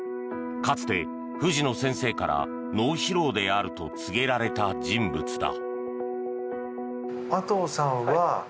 かつて藤野先生から脳疲労であると告げられた人物だ。